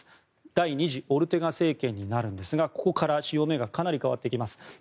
第２次オルテガ政権になるんですがここから潮目がかなり変わってきます。